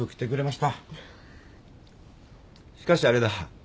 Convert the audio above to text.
しかしあれだ。